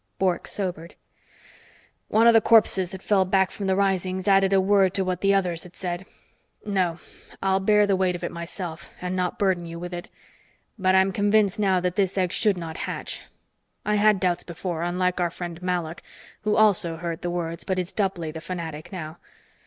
Bork sobered. "One of the corpses that fell back from the risings added a word to what the others had said. No, I'll bear the weight of it myself, and not burden you with it. But I'm convinced now that his egg should not hatch. I had doubts before, unlike our friend Malok, who also heard the words but is doubly the fanatic now.